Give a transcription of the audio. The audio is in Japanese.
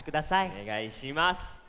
おねがいします。